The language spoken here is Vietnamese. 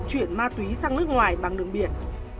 chuyển ma túy sang nước ngoài bằng đường biển